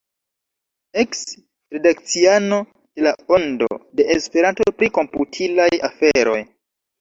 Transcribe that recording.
Eks-redakciano de La Ondo de Esperanto pri komputilaj aferoj.